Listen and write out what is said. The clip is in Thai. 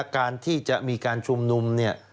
การที่จะมีการชุมนุม